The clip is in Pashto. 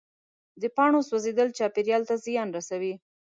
د پاڼو سوځېدل چاپېریال ته زیان رسوي.